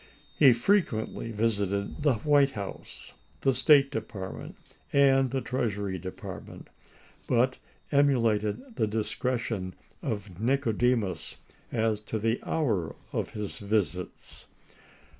He frequently visited the White House, the State Department, and the Treasury Department, but emulated the discretion of Nicodemus as to the hour of his visits.